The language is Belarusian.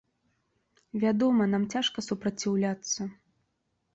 Вядома, нам цяжка супраціўляцца.